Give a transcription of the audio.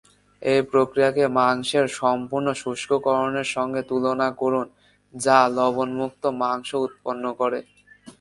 এই প্রক্রিয়াকে মাংসের সম্পূর্ণ শুষ্ককরণের সঙ্গে তুলনা করুন, যা লবণমুক্ত মাংস উৎপন্ন করে।